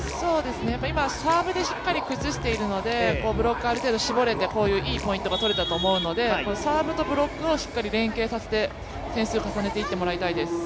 今、サーブでしっかり崩しているのでブロック、ある程度絞れていいポイントが取れたと思うのでサーブとブロックをしっかり連係させて点数、重ねていってもらいたいです